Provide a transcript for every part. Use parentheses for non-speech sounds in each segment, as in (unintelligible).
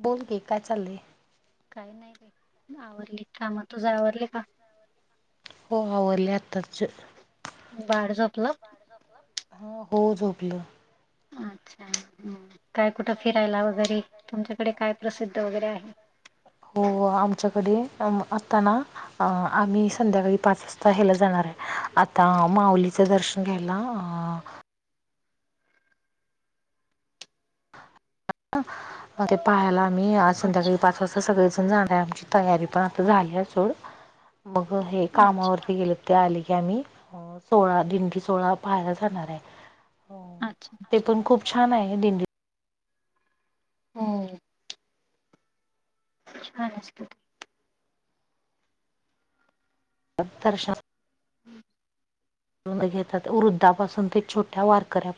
बोल की काय चाललंय. काही नाही रे आवरली काम तुझ आवरली का. हो आवरल्या आत्ताच बाळ झोपलं. हा हो झोपलं. अच्छा काय कुठं फिरायला वगैरे तुमच्याकडे काय प्रसिद्ध वगैरे आहे. हो आमच्याकडे आता ना आम्ही संध्याकाळी पाच जाणार आहे आता माऊलीचं दर्शन घ्यायला अ मग ते पाहायला आम्ही आज संध्याकाळी अच्छा पाच वाजता अस सगळेजण जाणार आमची तयारी पण आता झाली सोड मग हे अच्छा कामावरती गेलं. ते आले की आम्ही सोळा दिंडी सोळा पाहायला जाणार आहे हो अच्छा ते पण खूप छान आहे दिंडी हो छान असत. (inaudible) (unintelligible) घेतात वृद्धापासून ते छोट्या वारकऱ्या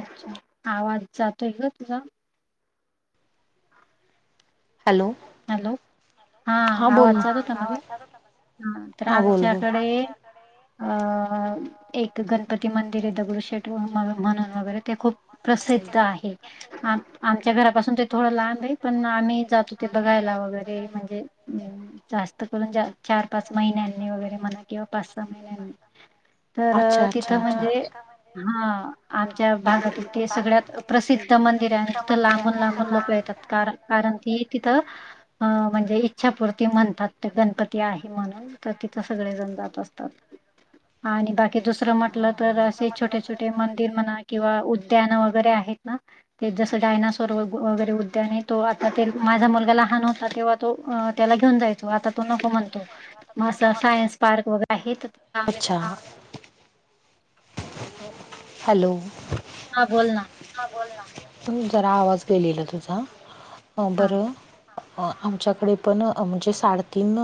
अच्छा, आवाज जातोय ग तुझा. हॅलो. हॅलो हा बोल ना आवाज जात होतामध्ये ह तर हा बोल बोल आमच्याकडे अ एक गणपती मंदिर आहे दगडू शेठ म्हणून वगैरे ते खूप प्रसिद्ध आहे आमच्या घरापासून ते थोडं लांब आहे पण आम्ही जातो. ते बघायला वगैरे म्हणजे जास्त करून चार, पाच महिन्यांनी वगैरे मना किंवा पाच, सहा महिन्यांनी तर अच्छा अच्छा तिथं अच्छा. म्हणजे हा आमच्या भागात ते सगळ्यात प्रसिद्ध मंदिर आहे आणि तिथं लांबून लांबून लोक येतात कार कारण ती तिथं म्हणजे इच्छापूर्ती म्हणतात गणपती आहे म्हणून. तर तिथं सगळे जण जात असतात. आणि बाकी दुसरं म्हटलं तर असे छोटे, छोटे मंदिर म्हणा किंवा उ उद्यान वगैरे आहेत ना ते जस डायनासोर वगैरे उद्यान तो आता माझा मुलगाला लहान होता तेव्हा तो त्याला घेऊन जायचा आता तो नको म्हणतो मग असं सायन्स पार्क वगैरे आहे अच्छा तर हॅलो. हां बोलना. हा बोलना तु जरा आवाज गेलेला तुझा बरं अ आमच्याकडे पण म्हणजे साडेतीन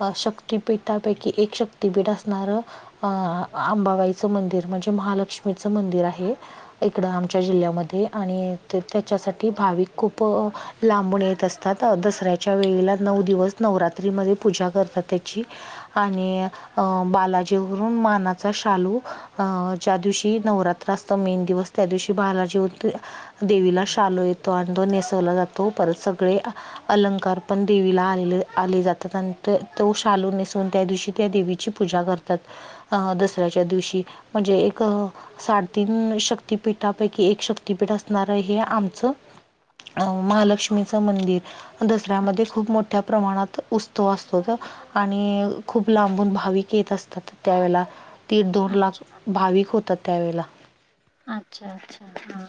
अ शक्तिपीठापैकी एक शक्तीपीठ असणार आह आंबाबाई मंदिर म्हणजे महालक्ष्मीचं मंदिर आहे. इकड आमच्या जिल्ह्यामध्ये आणि त्याच्यासाठी भाविक खूप लांबून येत असतात दसऱ्याच्या वेळेला नऊ दिवस नवरात्रीमध्ये पूजा करतात त्याची आणि अ बालाजीवरून मानाचा शालू अं ज्या दिवशी नवरात्र असत मेन दिवस त्या दिवशी बालाजी देवीला शालू येतो अन तो नेसवला जातो परत सगळे अलंकार पण देवीला आलेले, आले जातात अन तो शालू नेसून त्या दिवशी त्या देवी ची पूजा करतात दसऱ्याच्या दिवशी म्हणजे एक साडेतीन शक्तिपीठापैकी एक शक्तीपीठ असणार हे आमचं अ महालक्ष्मीचं मंदिर. दसऱ्यामध्ये खूप मोठ्या प्रमाणात उत्सव असतो त आणि खूप लांबून भाविक येत असतात त्यावेळेला. दीड, हा दोन लाख भाविक होतात त्यावेळेला. अच्छा, अच्छा, हा.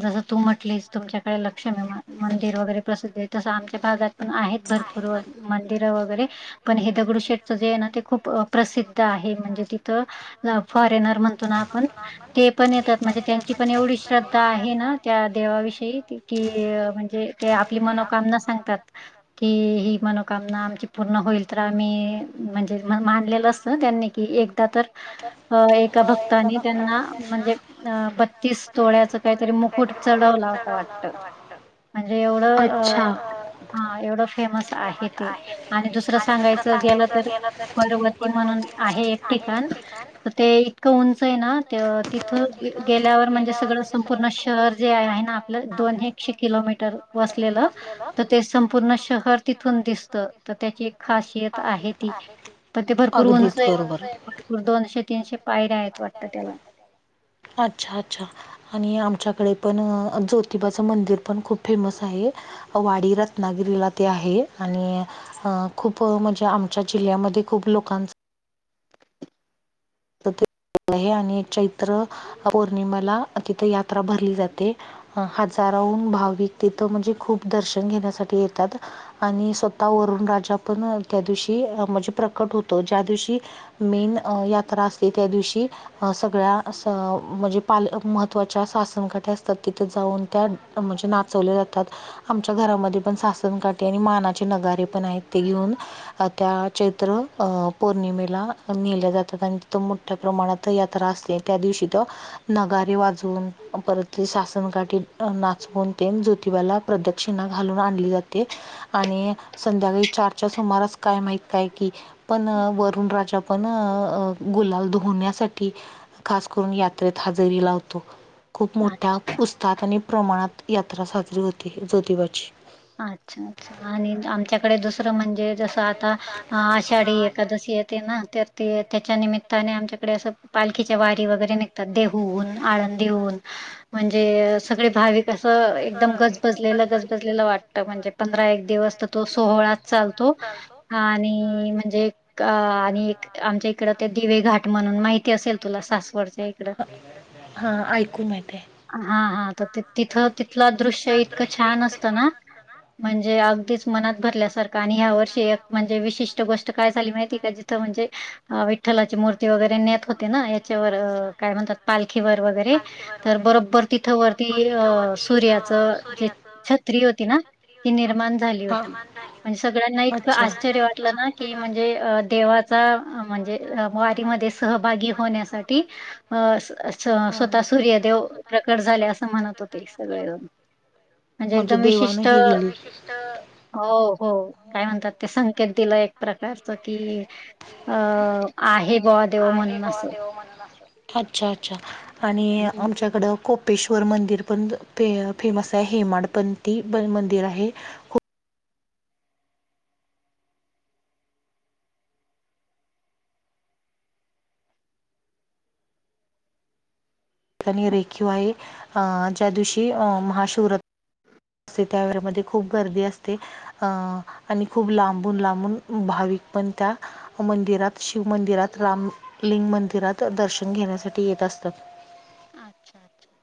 जसं तू म्हटलीस तुमच्याकडे लक्षणे मंदिर वगैरे प्रसिद्ध आहे तसं आमच्या भागात आहेत भरपूर व मंदिर वगैरे पण हे दगडू शेठच जे आहे न ते खूप प्रसिद्ध आहे म्हणजे तिथं लाफॉरेनर म्हणतो ना आपण ते पण येतात म्हणजे त्यांची पण एवढी श्रद्धा आहे ना त्या देवाविषयी की की म्हणजे ते आपली मनोकामना सांगतात की ही, ही मनोकामना आमची पूर्ण होईल तर आम्ही म्हणजे मानलेल असत त्यांनी की एकदा तर एका भक्तानी त्यांना म्हणजे अ बत्तीस तोळ्याच काहीतरी मुकुट चढवला होता वाटत. म्हणजे एवढं अ हा एवढं फेमस आहे ते. आणि दुसरं सांगायचं गेलं तर परवती म्हणून आहे एक ठिकाण. त ते इतक उंच आहेना तिथं गेल्यावर म्हणजे सगळं संपूर्ण शहर जे आहेना आपलं दोन हे शे किलोमीटर वसलेलं तर ते संपूर्ण शहर तिथून दिसत. तर त्याची एक खासियत आहे ती पण ते भरपूर उंच अगदीच आहे बरोबर भरपूर दोनशे तीनशे पायऱ्या आहेत वाटत त्याला. अच्छा अच्छा. आणि आमच्याकडे पण ज्योतिबाचं मंदिर पण खूप फेमस आहे. वाडी रत्नागिरीला ते आहे. आणि अ खूप म्हणजे आमच्या जिल्ह्यामध्ये खूप लोकांचं (unintelligible) आहे आणि चैत्र पौर्णिमेला तिथ यात्रा भरली जाते. ह. आणि स्वतः वरुन राजा पण त्या दिवशी म्हणजे प्रकट होतो. ज्या दिवशी मेन यात्रा असली त्या दिवशी अ सगळ्या स म्हणजे पाल महत्त्वाच्या सा सनकाठ्या असतात तिथे जाऊन त्या म्हणजे नाचवले जातात. आमच्या घरामध्ये पण सासन काटे आणि मानाचे नगारे पण आहेत ते घेऊन त्या चैत्र पौर्णिमेला नेल्या जातात अन त मोठ्या प्रमाणात यात्रा असते त्या दिवशी त नगारे वाजून परत ते सासन काठी नाचवून ते ज्योतिबाला प्रदक्षिणा घालून आणली जाते. आणि संध्याकाळी चारच्या सुमारास काय माहित काय कि पण वरुण राजा पण अ अ गुलाल धुण्यासाठी खास करून यात्रेत हजेरी लावतो. खूप मोठ्या पुस्तात आणि प्रमाणात यात्रा साजरी होती जोतिबाची. अच्छा अच्छा आणि आमच्याकडे दुसरं म्हणजे जसं आता आषाढी एकादशी य ते नंतर ते त्याच्या निमित्ताने आमच्याकडे अस पालखीच्या वारी वगैरे निघतात देव हून आनंदी हून म्हणजे सगळे भाविक कसं एकदम गजबजलेलं गजबजलेल वाट. म्हणजे पंधरा एक दिवस तर तो सोहळाच चालतो आणि म्हणजे अ आणि आमच्या इकड ते दिवे घाट म्हणून माहिती असेल तुला सासवडच्या इकडं हा ऐकून माहिती हाय. हा हा तर तिथं तिथलं दृश्य इतकं छान असतं ना. म्हणजे अगदीच मनात भरल्यासारखं आणि ह्या वर्षी एक म्हणजे विशिष्ट गोष्ट काय झाली माहिती का म्हणजे विठ्ठलाची मूर्ती वगैरे नेत होते ना याच्यावर काय म्हणतात. पालखीवर वगैरे तर बरोबर तिथं वरती अ सूर्याचं जे स्त्री होती ना. निर्माण झाली होती म्हण सगळ्यांना आणि इतक आश्चर्य वाटल ना की म्हणजे देवा च्या म्हणजे वारीमध्ये सहभागी होण्यासाठी अ स्वतः सूर्यदेव प्रकट झाले असं म्हणत होते सगळेज. म्हणजे एकदम विशिष्ट. ह. हो हो काय म्हणतात ते संकेत दिलं एक प्रकारच की अ आहे बवा देेव म्हणून असं. अच्छा अच्छा आणि हं. आमच्याकड को कपेश्वर मंदिर पणे फेमस आहे हेमाड पंथी मंदिर आहे. खूप आणि रेखीव आहे ज्या दिवशी महाशिव रात्र असते त्या मध्ये खूप गर्दी असते. अं आणि खूप लांबून लांबून भाविक पण त्या मंदिरात शिव मंदिरात रामलिंग मंदिरात दर्शन घेण्यासाठी येत असतात. अच्छा अच्छा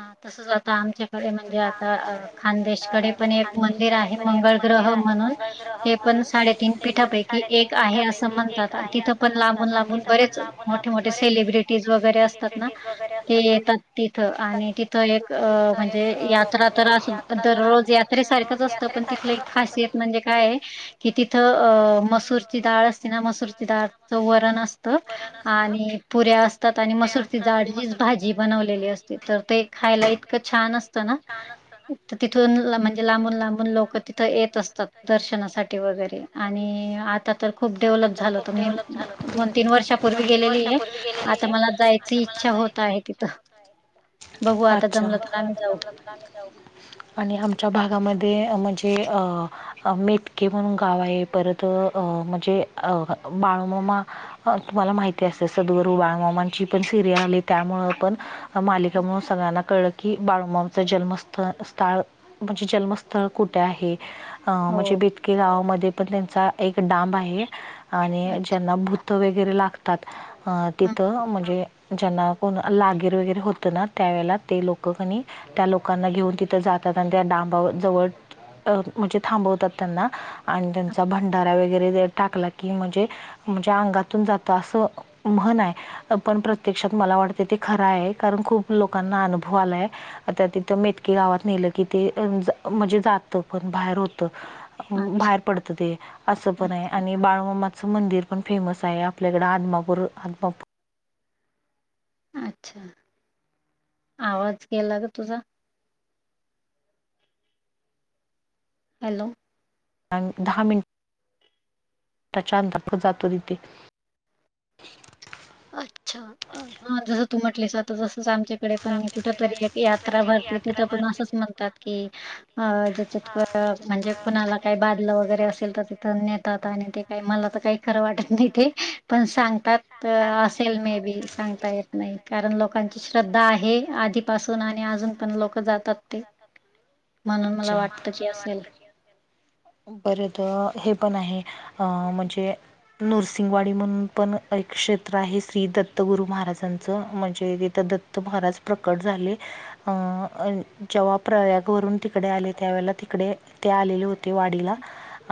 हा तसच आता आमच्या म्हणजे आता खानदेशकडे पण एक मंदिर आहे मंगळ ग्रह म्हणून एक पण साडेतीन पिठापैकी एक आहे असं म्हणतात तिथं पण लांबून लांबून बरेच मोठे मोठे सेलिब्रिटीज वगैरे असतात ना. ते येतात तिथ आणि तिथ एक म्हणजे यात्रा तर अस दररोज यात्रेसारखंच असतं पण तिथलं एक खासियत म्हणजे काय आहे. कि तिथं अ मसूरची डाळ असती ना मसूरची डाळच वरण असतं आणि पुऱ्या असतात आणि मसूरती जाड ही भाजी बनवलेली असते तर ते खायला इतकं छान असतं ना. छान असतं ना. तर तिथून म्हणजे लांबून लांबून लोक तिथं येत असतात दर्शनासाठी वगैरे. आणि आता तर खूप डेव्हलप झालं तर मी दोन तीन वर्षापूर्वी गेलेली आहे आता मला जायची इच्छा होत आहे तिथं बघू आता जमलं तर आम्ही जाऊ. लागकरव (unintelligible) आणि आमच्या भागामध्ये म्हणजे अ मेथके म्हणून गाव आहे परत तर म्हणजे बाळू मामा तुम्हाला माहिती असे सदगरु बाळमामांची पण सिरियल आली त्यामु पण मालिका मुळ सगळ्यांना कळलं की बाळूमामा जन्मस्थ स्थळ म्हणजे जन्मस्थळ कुठे आहे हो म्हणजे बेत गावा म पण त्यांचा एक डांब आहे अ- आणि ज्यांना भ थ वगैरे लागतात अ- तिथं म्हणजे- ज्यांना कोण लागीर वगैरे होतं ना त्यावेेळे ते लोक कनी. त्या लोकांना घेऊन तिथं जातात आणि त्या डांबावर जवळ अ म्हणजे थांबवतात त्यांना आणि अ- त्यांचा भंडारा वगैरे टाकला की म्हणजे म्हणजे अंगातून जात असं म्हण हाय. पण प्रत्यक्षात मला वाटते ते खरां आहे कारण खूप लोकांना अनुभव आलाय आता तिथं मेटकीे गावात नेलं की ते म्हणजे जातं पण बाहेर होत अच्छा बाहेर पडत ते असं अ- पण आहे आणि बाळमामाचं मंदिर पण फेमस आहे आपल्याकडे आधमापूर आदमापू अच्छा आवाज के्यालाग तुझा हॅलो दहा मिनटं छतर्फ जातो तिथे अच्छा हा जसं तू म्हटलेस आता तसच आमच्या डे पण कुठ तरी एक यात्रा भरते तिथ पण असंच म्हणतात की अ म्हणजे कुणाला काही बादलं वगैरे असेल तर तिथं नेतात आणि ते काही मला तर काही खरं वाटत नाही ते पण सांगतात मे बी सग येत नाहीण लोक श्रद्धा आहे आधीपासून आणि अजून पण लोक जातात ते म्हणून मला वाटत की असेल बर तर हे पण आहे अं म्हणजे नरसिंंगवाडी म्हणून पण एक क्षेत्र आहे श्री दत्तगुरु महाराजांचं म्हणजे तिथं दत्त तर महाराज प्रकट झाले अं जेव्हा प्रयाग वून तिकडे आले त्यावेळेला तिकडे ते आलेले होते वाडीला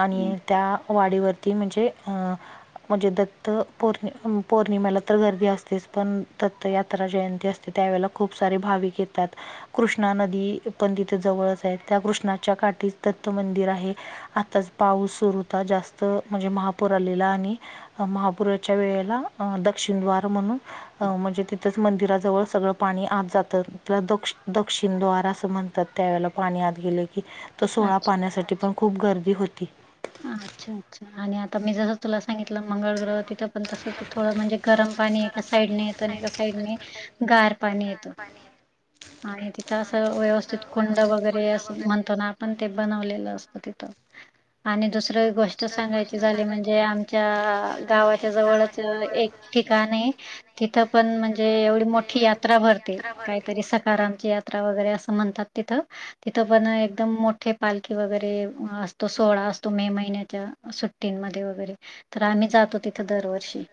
आणि त्या वाडीवरती म्हणजे अ म्हणजे दत्त पौर्णि पौर्णिमेला तर गर्दी असतेच पण दत् यात्रा जयंती असते त्यावेेळेला खूप सारे भाविक येतात कृष्णा नदी पण तिथे जवळच आहे त्या कृष्णाच्या काठी दत्त मंदिर आहे आताच पाऊस सुरूता जास्त म्हणजे महापौर आलेला आणि महापुराच्या वेळेला दक्षिण दवार म्हणून म्हणजे तिथंच मंदिराजवळ सगळं पाणी आत जात द दक्षिण दवार अस म्हणतात त्यावेळेला पाणी आत गेले की तो सोळा अच्छा पाहण्यासाठी पण खूप गर्दी होती अच्छा अच्छा आणि आता मी जस तुला सांगितलं मंगळ ग्रह तिथं पण तसच थोडं म्हणजे गरम पाणी एका साईडने येत आणि एका साईडने गार पाणी येतो आणि ति असं व्यवस्थित कुंड वगैरे अस म्हणतो ना आपण ते बनवलेलं असतो तिथं आणि दुसरं (unintelligible) गोष्ट सांगायची झाली म्हणजे आमच्या गावाच्या जवळच एक ठिकाण आहे (unintelligible) तिथं पण म्हणजे एवढी मोठी यात्रा भरते काहीतरी स आमची यात्रा वगैरे असं म्हणतात तिथं (unintelligible) तिथं पण एकदम मोठे पालखी वगैरे असतो सोहळा असतो मे महिन्याच्या सुट्टींमध्ये वगैरे तर आम्ही जातो तिथं दरवर्षी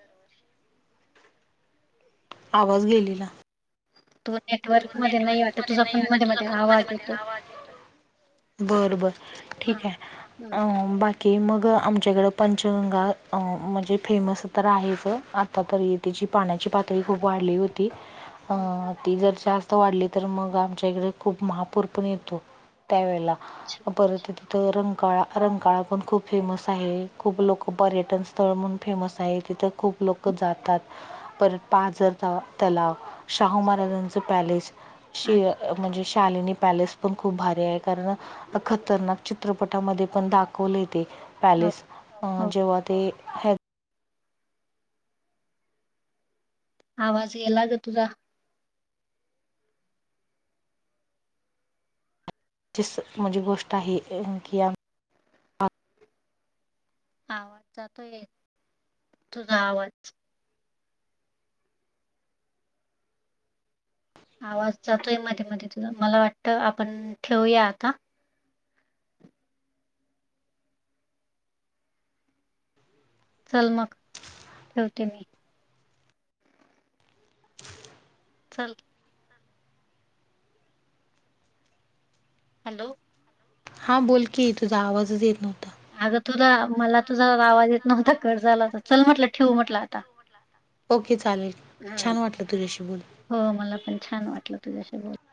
आवाज गेलेला (unintelligible) तू नेटवर्क मध्ये नाही वाटत तुझा फोन मध्ये मध्ये आवाज येतोय बर बर हा ठीक आहे हम्म. अ (unintelligible) बाकी मग आमच्याकडं पंचगंगा म्हणजे फेमस तर आहेच आता तरी (unintelligible) तिची पाण्याची पातळी खूप वाढली होती (unintelligible) अ ती जर जास्त वाढली तर मग आमच्या इकडे खूप महापूर पण येतो त्यावेेळेला (unintelligible) पररत (unintelligible) तथ रंगकाळा रंगकाळा पण खूप फेमस आहे खूप लोक पर्यटन स्थळ म्हण फेमस आहे तिथं (unintelligible) खूप लोकं जातात परत पाझरता त्याला शाहू महाराजांचं पॅलेस (unintelligible) श अच्छा. म्हणजे (unintelligible) शालिनी पॅलेस पण खूप भारी आहे कारण खतरनाक चित्रपटामध्ये पण दाखवले येते (unintelligible) हो पॅलेस अ हो. जेव्हा ते (unintelligible) आवाज ये लाग तुझ (unintelligible) जस म्हझी गोष्ट आहे कि (unintelligible) आवाज जातोय तुझा आवाज आवाज जातोय मध्ये मध्ये तुला मला वाटत आपण ठेवया आता चल मग ठेवते मी (unintelligible) चल (unintelligible) हॅलो! (unintelligible) हा बोलकी तुझा आवाजच येत नव्हता! (unintelligible) अगं तुझ मला तुझा आवाज येत नव्हता कट झाला तर चल म्हटलं ठेव म्हटलं आता ओके चालेल हम्म छान वाटलं तुझ्याशी बोलून (unintelligible) हो मला पण छान वाटलं तुझ्याशी बोलून (unintelligible)